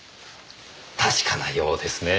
確かなようですねぇ。